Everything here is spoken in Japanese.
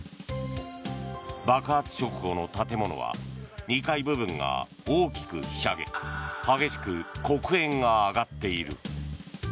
爆発直後の建物は２階部分が大きくひしゃげ激しく黒煙が上がっている。